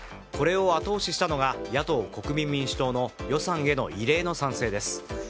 これを後押ししたのが野党・国民民主党の予算への異例の賛成です